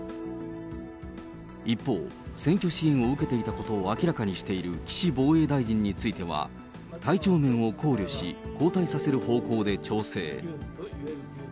一方、選挙支援を受けていたことを明らかにしている岸防衛大臣については、体調面を考慮し、交代させる方向で調整。